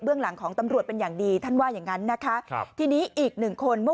เบื้องหลังของตำรวจเป็นอย่างดีท่านว่าอย่างนั้นนะคะ